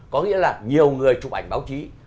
có nghĩa là nhiều người chụp ảnh báo chí